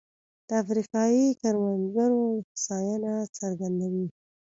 د افریقايي کروندګرو هوساینه څرګندوي.